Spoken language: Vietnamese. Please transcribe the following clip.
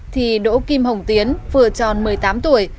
thì đỗ kim hồng tiến vừa tròn một mươi tám tuổi